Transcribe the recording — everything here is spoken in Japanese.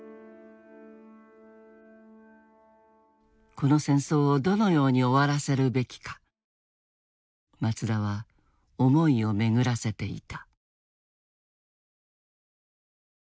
この戦争をどのように終わらせるべきか松田は思いを巡らせていた。